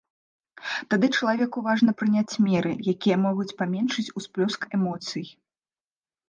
Тады чалавеку важна прыняць меры, якія могуць паменшыць усплёск эмоцый.